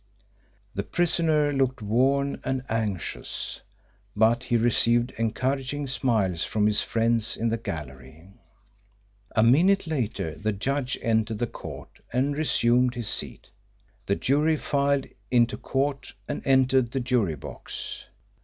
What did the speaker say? The prisoner looked worn and anxious, but he received encouraging smiles from his friends in the gallery. A minute later the judge entered the court and resumed his seat. The jury filed into court and entered the jury box.